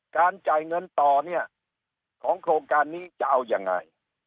การจ่ายเงินต่อเนี่ยของโครงการนี้จะเอายังไง